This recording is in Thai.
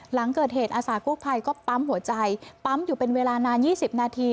หลังเกิดเหตุอาสากู้ภัยก็ปั๊มหัวใจปั๊มอยู่เป็นเวลานาน๒๐นาที